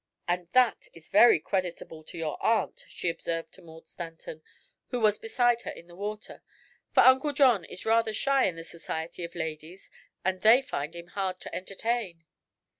"And that is very creditable to your aunt," she observed to Maud Stanton, who was beside her in the water, "for Uncle John is rather shy in the society of ladies and they find him hard to entertain."